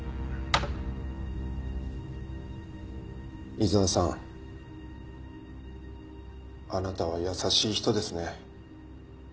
井沢さんあなたは優しい人ですね。